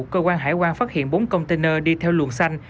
cơ quan hải quan phát hiện bốn container đi theo luồng xanh